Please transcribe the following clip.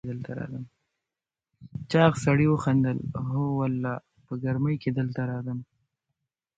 چاغ سړي وخندل: هو والله، په ګرمۍ کې دلته راځم.